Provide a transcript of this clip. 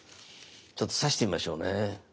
ちょっと刺してみましょうね。